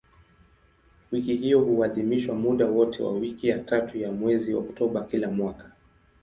Wiki hiyo huadhimishwa muda wote wa wiki ya tatu ya mwezi Oktoba kila mwaka.